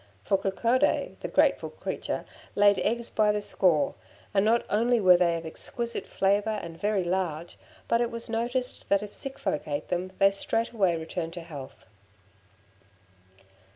For Coccodé, the grateful creature, laid eggs by the score, and not only were they of exquisite flavour and very large, but it was noticed that if sick folk ate them, they straightway returned to health.